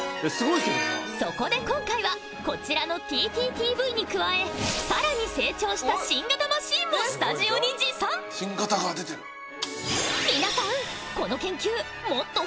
そこで今回はこちらのＴＴＴＶに加えさらに成長した新型マシンもスタジオに持参皆さんうわっ！